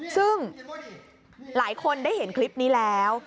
ซึ่งหลายคนได้เห็นคลิปนี้แล้ว